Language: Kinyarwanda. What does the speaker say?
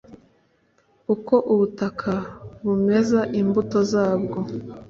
uko ubutaka bumeza imbuto zabwo,